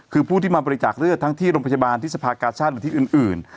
คือผู้ที่มาบริจาคเลือดทั้งที่โรงพยาบาลที่สภากาชาติหรือที่อื่น